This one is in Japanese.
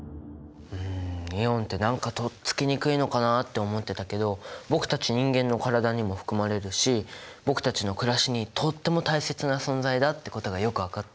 イオンって何かとっつきにくいのかなって思ってたけど僕たち人間の体にも含まれるし僕たちの暮らしにとっても大切な存在だってことがよく分かった。